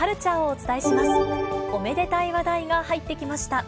おめでたい話題が入ってきました。